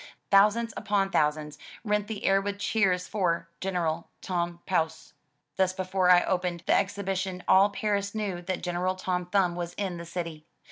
Thousands upon thou sands rent the air with cheers for ''General Tom Pouce." Thus before I opened the exhibition, all Paris knew that General Tom Thumb was in the city.